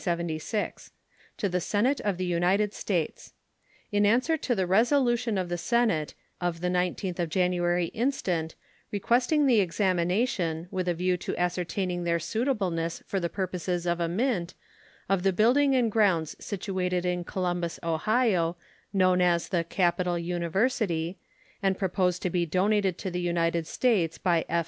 To the Senate of the United States: In answer to the resolution of the Senate of the 19th of January instant, requesting the examination, with a view to ascertaining their suitableness for the purposes of a mint, of the building and grounds situated in Columbus, Ohio, known as the "Capital University," and proposed to be donated to the United States by F.